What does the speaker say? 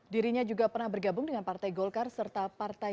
dirinya juga pernah bergabung dengan partai golkar serta partai